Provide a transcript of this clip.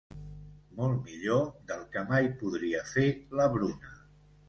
Molt millor del que mai podria fer la Bruna.